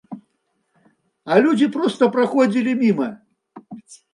А людзі проста праходзілі міма.